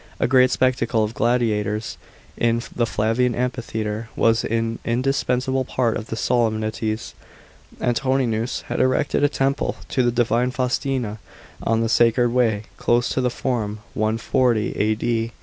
A great spectacle of gladiators, in the Flavian amphitheatre, was an indispensable part of the solemnities. Antoninus had erected a temple to the divine Faustina, on the Sacred Way, close to the Forum (140 A.D.).